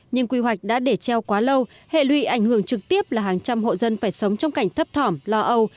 nhưng quy hoạch đã để treo quá lâu hệ lụy ảnh hưởng trực tiếp là hàng trăm hộ dân phải sống trong cảnh thấp thỏm lo âu